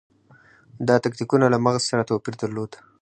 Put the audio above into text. دا تکتیکونه له مغز سره توپیر درلود.